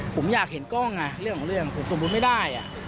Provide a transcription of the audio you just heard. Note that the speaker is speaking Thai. ผมอยากเห็นกล้องเรื่องของเรื่องผมสมมุติไม่ได้